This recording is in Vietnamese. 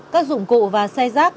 các dụng cụ và xe rác